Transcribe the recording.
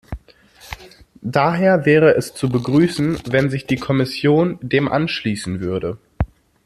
Daher wäre es zu begrüßen, wenn sich die Kommission dem anschließen würde.